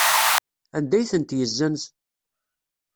Anda ay tent-yessenz?